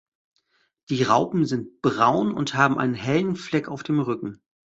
Die Raupen sind braun und haben einen hellen Fleck auf dem Rücken.